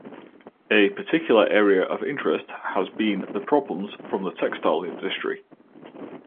A particular area of interest has been the problems from the textile industry.